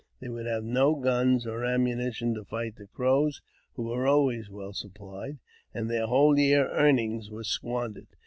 They would have no guns or ammunition to fight the Crows, who were always well supplied, and their whole year's earnings were squandered.